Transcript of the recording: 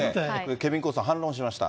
ケビン・コスナー、反論しました。